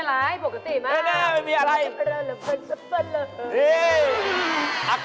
ไม่มีอะไรปกติมาก